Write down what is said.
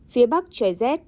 phía bắc trời rét